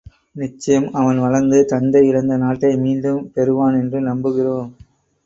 நிச்சயம் அவன் வளர்ந்து தந்தை இழந்த நாட்டை மீண்டும் பெறுவான் என்று நம்புகிறோம்.